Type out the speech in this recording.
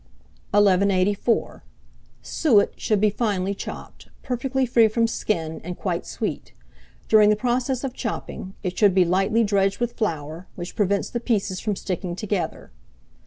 1184. Suet should be finely chopped, perfectly free from skin, and quite sweet; during the process of chopping, it should be lightly dredged with flour, which prevents the pieces from sticking together.